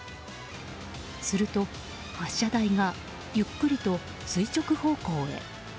すると、発射台がゆっくりと垂直方向へ。